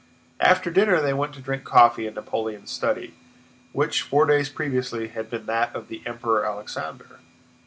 After dinner they went to drink coffee in Napoleon's study, which four days previously had been that of the Emperor Alexander.